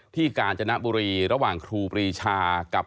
กาญจนบุรีระหว่างครูปรีชากับ